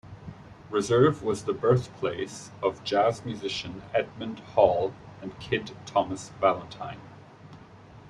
Reserve was the birthplace of jazz musicians Edmond Hall and Kid Thomas Valentine.